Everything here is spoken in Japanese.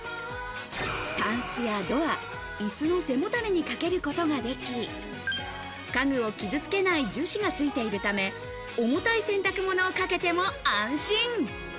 タンスやドア、椅子の背もたれにかけることができ、家具を傷付けない樹脂がついているため、重たい洗濯物をかけても安心。